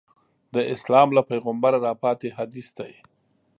د اسلام له پیغمبره راپاتې حدیث دی.